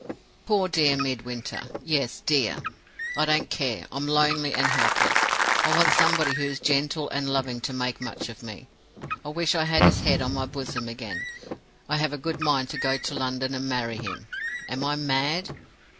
"Poor dear Midwinter! Yes, 'dear.' I don't care. I'm lonely and helpless. I want somebody who is gentle and loving to make much of me; I wish I had his head on my bosom again; I have a good mind to go to London and marry him. Am I mad?